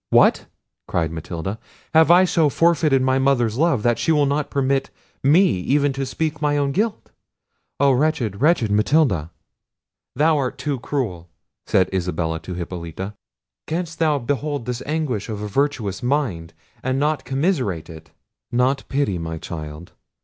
"What!" cried Matilda, "have I so forfeited my mother's love, that she will not permit me even to speak my own guilt? oh! wretched, wretched Matilda!" "Thou art too cruel," said Isabella to Hippolita: "canst thou behold this anguish of a virtuous mind, and not commiserate it?" "Not pity my child!"